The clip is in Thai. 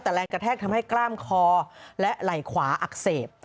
แต่แรงกระแทกทำให้กล้ามคอและไหล่ขวาอักเสบ